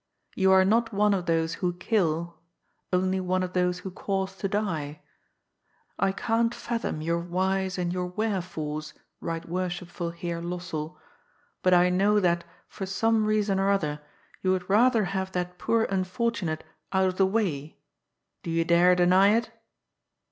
You are not one of those who kill, only one of those who cause to die. I can't fathom your whys and your wherefores. Bight Worshipful Heer Lossell, but I know that, for some reason or other, you would rather haye that poor unfortunate out of the way — do you dare deny it?"